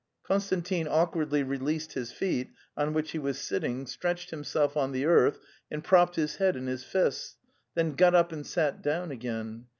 Konstantin awkwardly released his feet, on which he was sitting, stretched himself on the earth, and propped his head in his fists, then got up and sat down again.